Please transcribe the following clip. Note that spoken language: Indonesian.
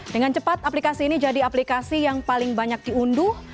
dengan cepat aplikasi ini jadi aplikasi yang paling banyak diunduh